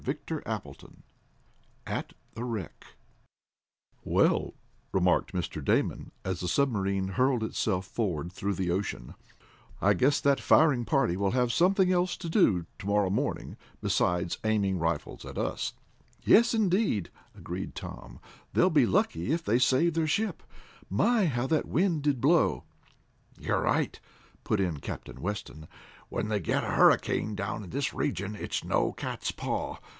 Chapter Twenty Two At the Wreck "Well," remarked Mr. Damon, as the submarine hurled herself forward through the ocean, "I guess that firing party will have something else to do to morrow morning besides aiming those rifles at us." "Yes, indeed," agreed Tom. "They'll be lucky if they save their ship. My, how that wind did blow!" "You're right," put in Captain Weston. "When they get a hurricane down in this region it's no cat's paw.